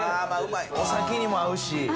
お酒にも合うし。